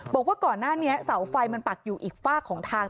บอกว่าก่อนหน้านี้เสาไฟมันปักอยู่อีกฝากของทาง